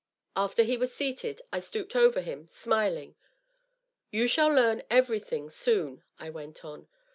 After he was seated I stooped over him, smiling. " You shall learn every thing soon," I went on.